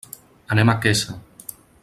Anem a Quesa.